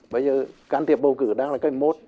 bây giờ can thiệp bầu cử đang là cái mốt